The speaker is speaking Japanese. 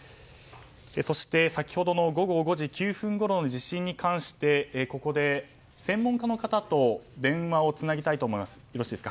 そして、先ほどの午後５時９分ごろの地震に関してここで専門家の方と電話をつなぎたいと思います。